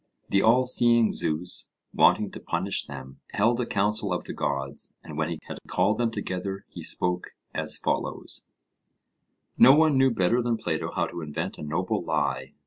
The all seeing Zeus, wanting to punish them, held a council of the gods, and when he had called them together, he spoke as follows: No one knew better than Plato how to invent 'a noble lie.'